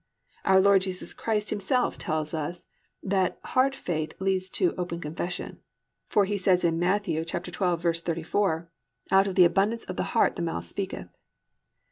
Our Lord Jesus Christ Himself tells us that heart faith leads to open confession; for He says in Matt. 12:34, +"Out of the abundance of the heart the mouth speaketh."